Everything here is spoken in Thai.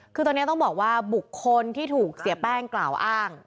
คือตอนนี้ต้องบอกว่าบุคคลที่ถูกเสียแป้งกล่าวอ้าง